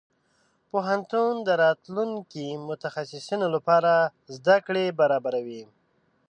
پوهنتون د راتلونکي متخصصينو لپاره زده کړې برابروي.